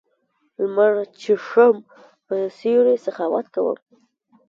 لمر چېښم په سیوري سخاوت کوم